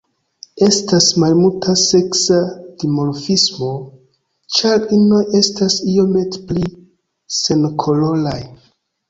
Estas malmulta seksa dimorfismo, ĉar inoj estas iomete pli senkoloraj.